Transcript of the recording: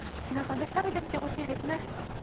ぜひ食べてみてほしいですね。